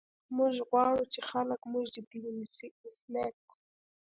موږ غواړو چې خلک موږ جدي ونیسي ایس میکس